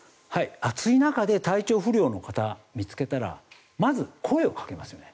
暑い中で体調不良の方を見つけたらまず声をかけますよね。